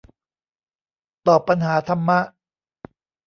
ตอบปัญหาธรรมะ